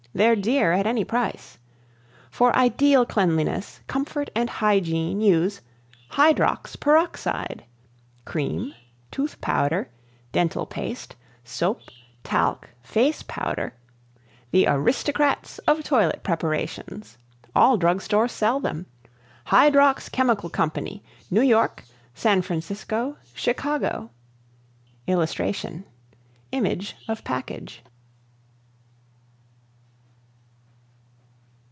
They're dear at any price. For Ideal Cleanliness, Comfort and Hygiene use HYDROX PEROXIDE Cream Tooth Powder Dental Paste Soap Talc Face Powder "The Aristocrats of Toilet Preparations" All Drug Stores Sell Them. HYDROX CHEMICAL CO. NEW YORK SAN FRANCISCO CHICAGO [Illustration: Image of package.